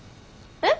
えっ？